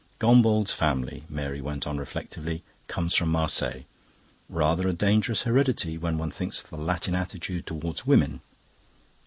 "Gombauld's family," Mary went on reflectively, "comes from Marseilles. Rather a dangerous heredity, when one thinks of the Latin attitude towards women.